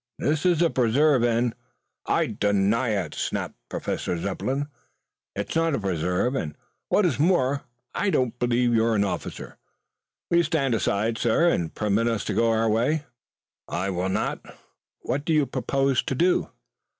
This is a preserve, and " "I deny it!" snapped Professor Zepplin. "It is not a preserve and what is more I don't believe you are an officer. Will you stand aside and permit us to go our way?" "I will not." "What do you propose to do?"